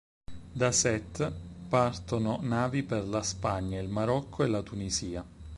Da Sète partono navi per la Spagna, il Marocco e la Tunisia.